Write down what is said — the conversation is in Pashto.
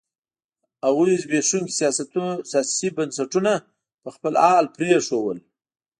هغوی زبېښونکي سیاسي بنسټونه په خپل حال پرېښودل.